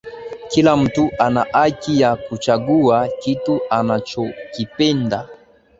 kila mtu ana haki ya kuchagua kitu anachokipenda